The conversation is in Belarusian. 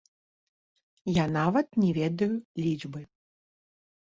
Я нават не ведаю лічбы.